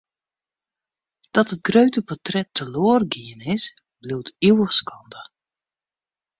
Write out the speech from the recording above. Dat it grutte portret teloar gien is, bliuwt ivich skande.